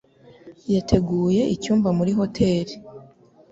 Yateguye icyumba muri hoteri.